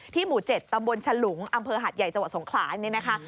หมู่๗ตำบลฉลุงอำเภอหาดใหญ่จังหวัดสงขลานี่นะคะ